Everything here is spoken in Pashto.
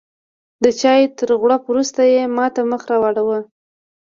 د چایو تر غوړپ وروسته یې ماته مخ راواړوه.